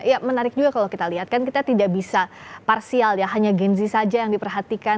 ya menarik juga kalau kita lihat kan kita tidak bisa parsial ya hanya genzi saja yang diperhatikan